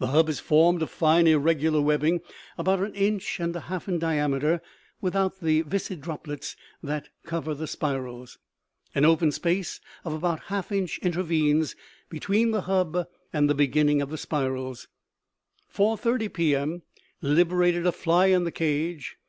The hub is formed of fine irregular webbing about an inch and a half in diameter, without the viscid droplets that cover the spirals. An open space of about a half inch intervenes between the hub and the beginning of the spirals. "4:30 P.M.; liberated a fly in the cage.